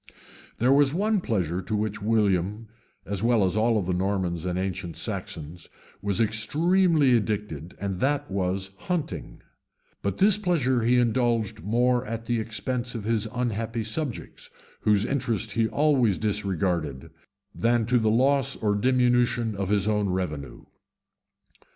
] There was one pleasure to which William, as well as all the Normans and ancient Saxons, was extremely addicted, and that was hunting; but this pleasure he indulged more at the expense of his unhappy subjects, whose interests he always disregarded, than to the loss or diminution of his own revenue.